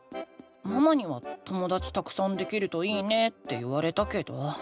ママには「ともだちたくさんできるといいね」って言われたけど。